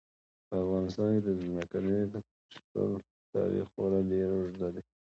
په افغانستان کې د ځمکني شکل تاریخ خورا ډېر اوږد دی.